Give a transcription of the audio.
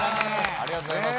ありがとうございます。